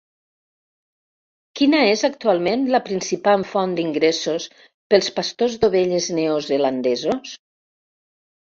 Quina és actualment la principal font d'ingressos pels pastors d'ovelles neozelandesos?